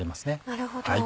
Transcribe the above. なるほど。